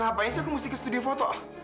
nah apaan sih aku mesti ke studio foto